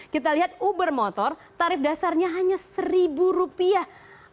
kita lihat uber motor tarif dasarnya hanya seribu rupiah